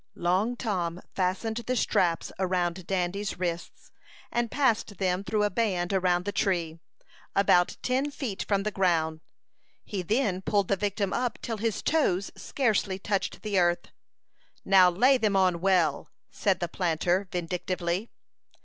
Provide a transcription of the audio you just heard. Long Tom fastened the straps around Dandy's wrists, and passed them through a band around the tree, about ten feet from the ground. He then pulled the victim up till his toes scarcely touched the earth. "Now, lay them on well," said the planter, vindictively.